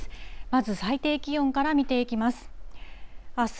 まず、最低気温から見ていきます。